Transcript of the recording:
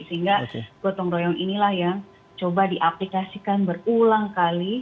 sehingga gotong royong inilah yang coba diaplikasikan berulang kali